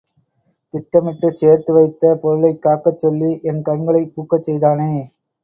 திட்டமிட்டுச் சேர்த்து வைத்த பொருளைக் காக்கச் சொல்லி என் கண்களைப் பூக்கச் செய்தானே!